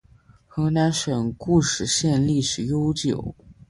河南省固始县历史悠久